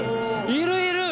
いるいる！